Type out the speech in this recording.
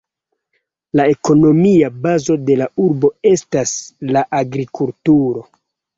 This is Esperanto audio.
La ekonomia bazo de la urbo estas la agrikulturo.